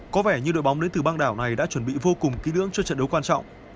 có vẻ như đội bóng đến từ bang đảo này đã chuẩn bị vô cùng kỹ lưỡng cho trận đấu quan trọng